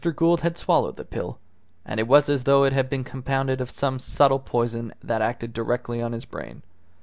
Gould had swallowed the pill, and it was as though it had been compounded of some subtle poison that acted directly on his brain.